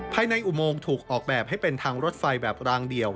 อุโมงถูกออกแบบให้เป็นทางรถไฟแบบรางเดียว